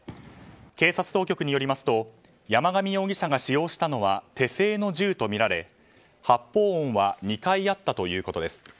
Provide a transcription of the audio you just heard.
警察当局によりますと山上容疑者が使用したのは手製の銃とみられ、発砲音は２回あったということです。